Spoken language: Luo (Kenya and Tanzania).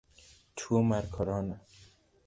Tuo mar korona.